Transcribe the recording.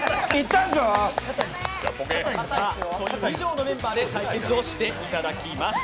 以上のメンバーで対決をしていただきます。